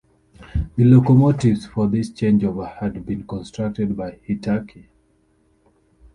The locomotives for this changeover had been constructed by Hitachi.